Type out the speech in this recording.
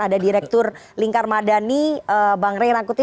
ada direktur lingkar madani bang ray rangkuti